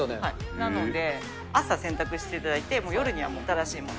なので、朝洗濯していただいて、夜にはもう新しいもの。